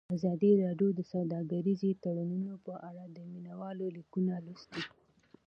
ازادي راډیو د سوداګریز تړونونه په اړه د مینه والو لیکونه لوستي.